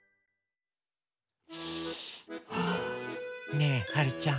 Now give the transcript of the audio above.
ねえはるちゃん。